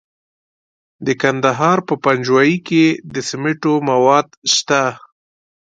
د کندهار په پنجوايي کې د سمنټو مواد شته.